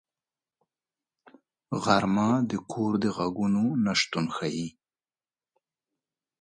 غرمه د کور د غږونو نه شتون ښيي